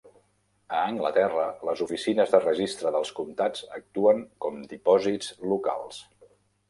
A Anglaterra, les oficines de registre dels comtats actuen com depòsits locals.